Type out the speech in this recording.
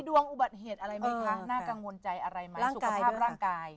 ดวงอุบัติเหตุอะไรมั้ยคะน่ากังวลใจอะไรมั้ย